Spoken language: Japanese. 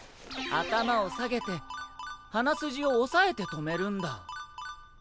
頭を下げて鼻筋を押さえて止めるんだ。